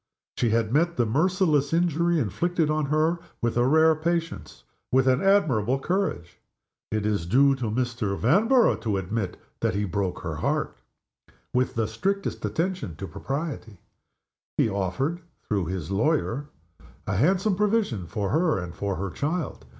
She had met the merciless injury inflicted on her with a rare patience, with an admirable courage. It is due to Mr. Vanborough to admit that he broke her heart, with the strictest attention to propriety. He offered (through his lawyer ) a handsome provision for her and for her child.